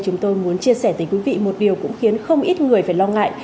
chúng tôi muốn chia sẻ tới quý vị một điều cũng khiến không ít người phải lo ngại